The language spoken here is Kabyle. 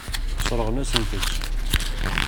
Sseṛɣen-asent-tt.